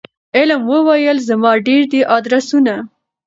علم وویل زما ډیر دي آدرسونه